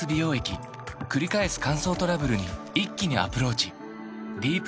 くり返す乾燥トラブルに一気にアプローチ